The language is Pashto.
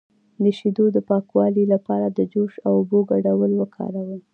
د شیدو د پاکوالي لپاره د جوش او اوبو ګډول وکاروئ